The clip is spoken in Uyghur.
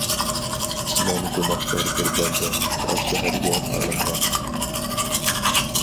مەن گۇناھكار بىر بەندە، تاش شەھەرگە پالانغان.